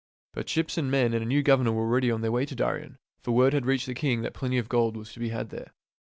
But ships and men and a new governor were already on their way to Darien ; for word had reached the king that plenty of gold was to.be had there.